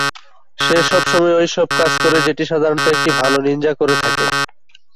সে সবসময় ঐসব কাজ করে যেটি সাধারণত একটি ভালো নিনজা করে থাকে।